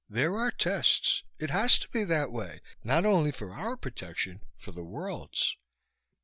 There are tests. It has to be that way not only for our protection. For the world's."